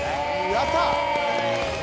やった！